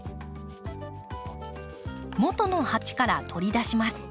もとの鉢から取り出します。